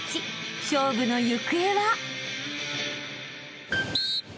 ［勝負の行方は？］